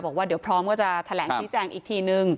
บอกว่าเดี๋ยวพร้อมก็จะแถลงชี้แจงอีกทีนึง